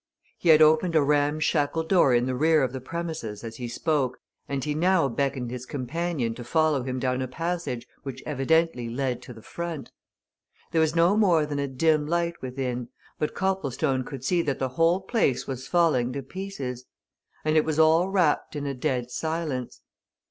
He had opened a ramshackle door in the rear of the premises as he spoke and he now beckoned his companion to follow him down a passage which evidently led to the front. There was no more than a dim light within, but Copplestone could see that the whole place was falling to pieces. And it was all wrapped in a dead silence.